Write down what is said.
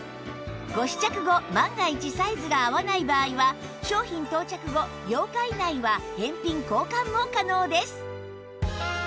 ご試着後万が一サイズが合わない場合は商品到着後８日以内は返品・交換も可能です